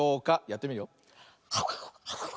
やってみるよ。